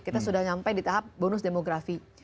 kita sudah sampai di tahap bonus demografi